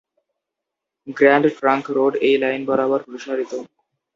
Grand trunk road এই line বরাবর প্রসারিত।